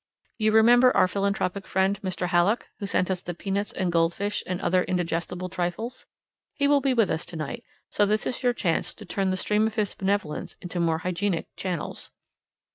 You remember our philanthropic friend, Mr. Hallock, who sent us the peanuts and goldfish and other indigestible trifles? He will be with us tonight, so this is your chance to turn the stream of his benevolence into more hygienic channels.